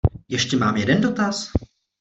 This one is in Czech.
Ještě mám jeden dotaz?